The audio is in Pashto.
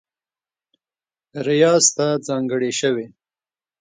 ریاض ته ځانګړې شوې